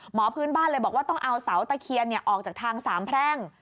พื้นบ้านเลยบอกว่าต้องเอาเสาตะเคียนออกจากทางสามแพร่ง